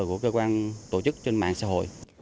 của cơ quan tổ chức trên mạng xã hội